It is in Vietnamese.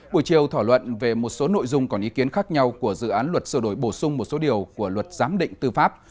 buổi chiều thỏa luận về một số nội dung còn ý kiến khác nhau của dự án luật sửa đổi bổ sung một số điều của luật giám định tư pháp